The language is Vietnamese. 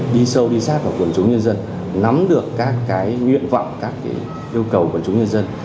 đi sâu đi sát vào quần chúng nhân dân nắm được các cái nguyện vọng các yêu cầu của chúng nhân dân